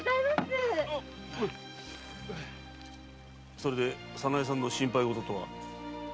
それで早苗さんの心配ごととは？